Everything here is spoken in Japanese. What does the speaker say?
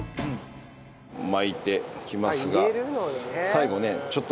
巻いていきますが。